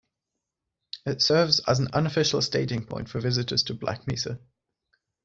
It serves as an unofficial staging point for visitors to Black Mesa.